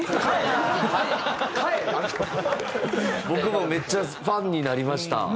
僕もめっちゃファンになりました。